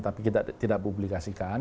tapi kita tidak publikasikan